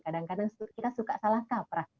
kadang kadang kita suka salah kaprah